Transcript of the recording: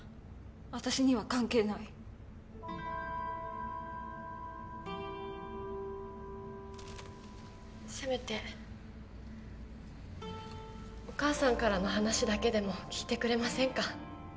私には関係ないせめてお母さんからの話だけでも聞いてくれませんか？